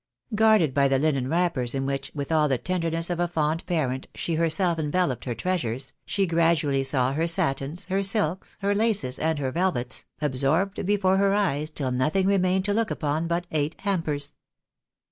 Guarded by the linen wrappers in v/hich, with all the tenderness of a fond parent, she herself enveloped her treasures, she gradually saw her satins, her silks, her laces, and her velvets, absorbed before her eyes, tiU nothing remained to look upon but eight hampers.